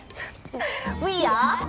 ウィーアー。